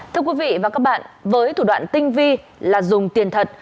thưa quý vị và các bạn với thủ đoạn tinh vi là dùng tiền thật